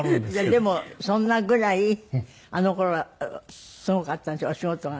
でもそんなぐらいあの頃はすごかったんでしょお仕事がね。